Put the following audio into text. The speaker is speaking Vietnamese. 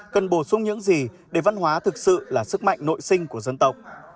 cần bổ sung những gì để văn hóa thực sự là sức mạnh nội sinh của dân tộc